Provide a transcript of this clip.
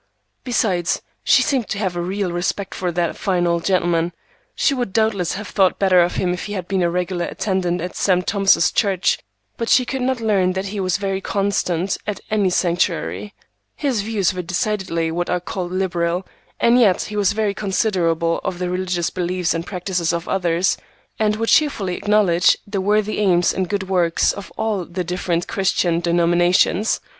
Besides, she seemed to have a real respect for that fine old gentleman. She would doubtless have thought better of him if he had been a regular attendant at St. Thomas's Church, but she could not learn that he was very constant at any sanctuary. His views were decidedly what are called liberal, and yet he was very considerate of the religious beliefs and practices of others, and would cheerfully acknowledge the worthy aims and good works of all the different Christian denominations.